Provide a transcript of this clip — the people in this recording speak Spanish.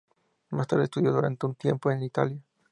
Más tarde estudió durante un tiempo en Italia.